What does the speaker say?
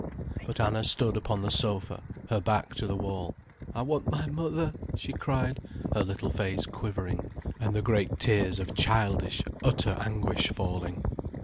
But Anna stood upon the sofa, her back to the wall. "I want my mother," she cried, her little face quivering, and the great tears of childish, utter anguish falling.